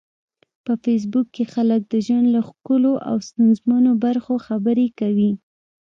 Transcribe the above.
په فېسبوک کې خلک د ژوند له ښکلو او ستونزمنو برخو خبرې کوي